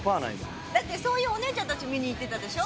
だってそういうお姉ちゃんたち見に行ってたでしょ？